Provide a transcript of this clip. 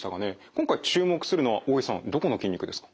今回注目するのは大江さんどこの筋肉ですか？